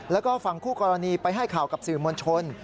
แล้วก็ฝั่งคู่กรณีไปให้ข่าวกับสื่อมวลชน